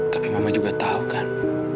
tapi mama juga tahu kan